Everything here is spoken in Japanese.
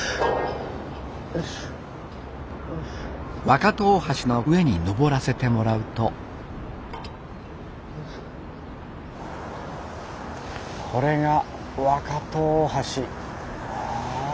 若戸大橋の上に登らせてもらうとこれが若戸大橋。